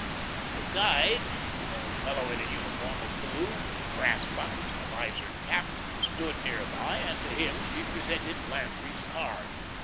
The guide, an old fellow in a uniform of blue, with brass buttons and a visored cap, stood near by, and to him she presented Landry's card.